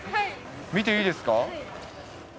見ていいですか。